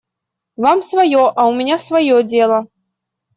Вам свое, а у меня свое дело.